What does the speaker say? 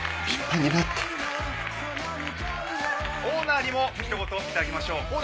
オーナーにも一言頂きましょう。